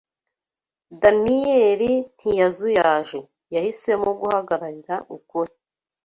Daniyeli ntiyazuyaje. Yahisemo guhagararira ukuri